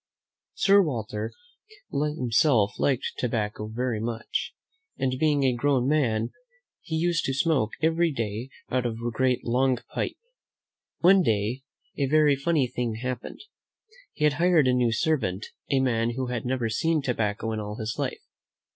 Sir Walter himself liked tobacco very much, and, being a grown man, he used to smoke every day out of a great, long pipe. One day a very funny thing happened. He had hired a new servant, a man who had never seen tobacco in all his life.